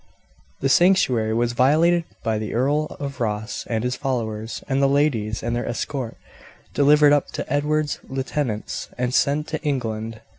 The sanctuary was violated by the Earl of Ross and his followers, and the ladies and their escort delivered up to Edward's lieutenants and sent to England.